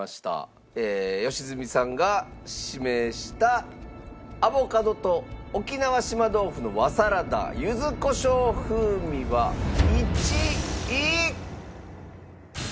良純さんが指名したアボカドと沖縄島豆腐の和さらだ柚子胡椒風味は１位。